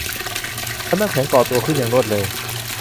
ชั้นน้ำแข็งก่อตัวขึ้นอย่างรวดเร็ว